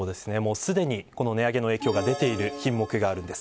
すでに、値上げの影響が出ている品目があるんです。